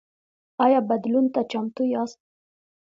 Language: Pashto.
ایا بدلون ته چمتو یاست؟